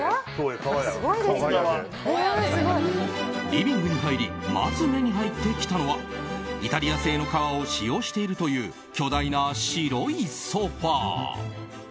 リビングに入りまず目に入ってきたのはイタリア製の革を使用しているという巨大な白いソファ。